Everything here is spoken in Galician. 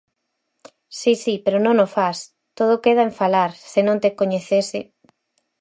Si, si, pero non o fas, todo queda en falar, se non te coñecese.